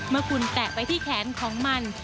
เมื่อคุณแตะไปที่แขนของมัน